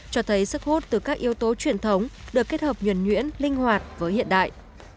cho thấy sức hút từ các yếu tố truyền thống được kết hợp nhuẩn nhuyễn linh hoạt với hiện đại